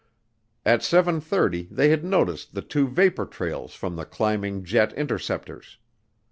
At seven thirty they had noticed the two vapor trails from the climbing jet interceptors.